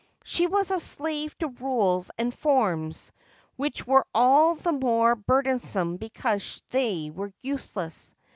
She was a slave to rules and forms which were all the more burdensome because they were useless.